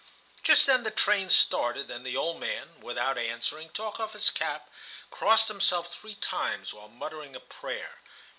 Just then the train started, and the old man, without answering, took off his cap, and crossed himself three times while muttering a prayer.